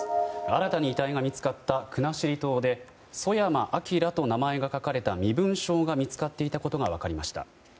新たに遺体が見つかった国後島でソヤマ・アキラと名前が書かれた身分証が見つかっていたことが分かりました。